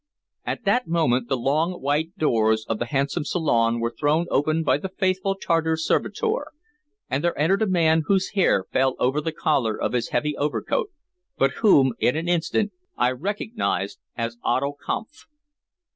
At that moment the long white doors of the handsome salon were thrown open by the faithful Tartar servitor, and there entered a man whose hair fell over the collar of his heavy overcoat, but whom, in an instant, I recognized as Otto Kampf.